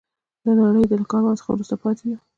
د نړۍ له کاروان څخه وروسته پاتې یو.